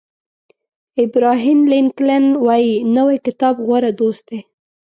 ابراهیم لینکلن وایي نوی کتاب غوره دوست دی.